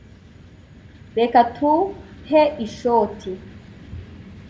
Reka tuhe ishoti.